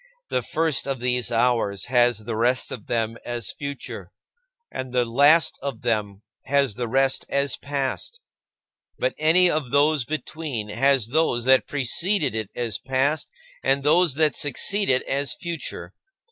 The first of these hours has the rest of them as future, and the last of them has the rest as past; but any of those between has those that preceded it as past and those that succeed it as future.